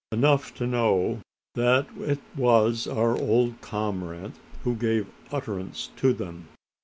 Enough to know that it was our old comrade who gave utterance to them.